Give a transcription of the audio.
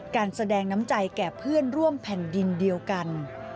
การแสดงน้ำใจแก่เพื่อนร่วมแผ่นดินเดียวกัน